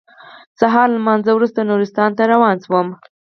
سهار له لمانځه وروسته نورستان ته روان شوم.